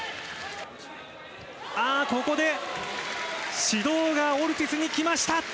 ああ、ここで指導がオルティスに来ました。